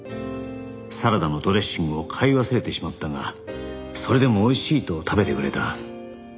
「サラダのドレッシングを買い忘れてしまったがそれでも美味しいと食べてくれた」